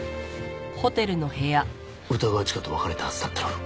歌川チカと別れたはずだったろ？